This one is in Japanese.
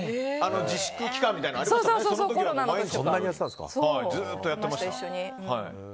自粛期間みたいなのありましたもんね。